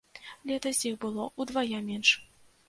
Летась іх было ўдвая менш.